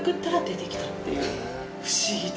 不思議と。